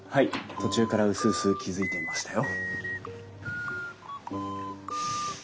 途中からうすうす気付いていましたよ。